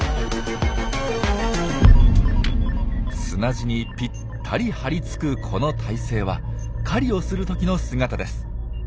砂地にぴったり張り付くこの体勢は狩りをする時の姿です。